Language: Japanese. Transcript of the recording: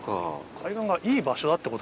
海岸がいい場所だってこと？